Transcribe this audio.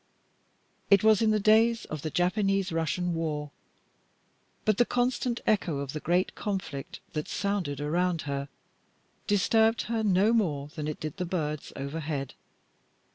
It was in the days of the Japanese Russian War, but the constant echo of the great conflict that sounded around her disturbed her no more than it did the birds overhead.